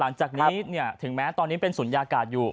หลังจากนี้ถึงแม้ตอนนี้เป็นศูนยากาศอยู่